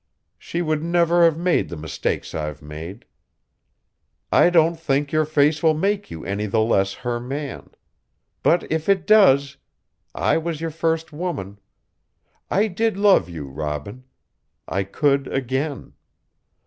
She would never have made the mistakes I've made. I don't think your face will make you any the less her man. But if it does I was your first woman. I did love you, Robin. I could again.